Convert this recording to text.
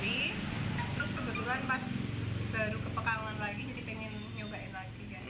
jadi pengen nyobain lagi ya